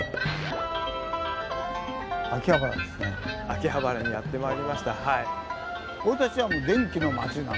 秋葉原にやってまいりました。